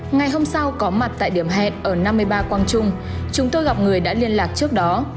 ngày hôm sau có mặt tại điểm hẹn ở năm mươi ba quang trung chúng tôi gặp người đã liên lạc trước đó